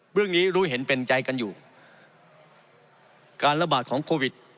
เรื่องนี้รู้เห็นเป็นใจกันอยู่การระบาดของโควิด